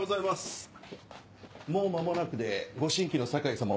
もう間もなくでご新規の酒井さま